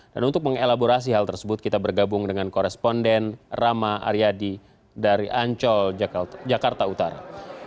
dan untuk mengelaborasi hal tersebut kita bergabung dengan koresponden rama aryadi dari ancol jakarta utara